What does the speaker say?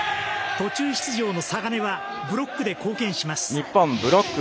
途中出場の嵯峨根はブロックで貢献します。